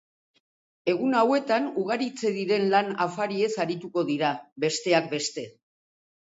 Egun hauetan ugaritze diren lan afariez arituko dira, besteak beste.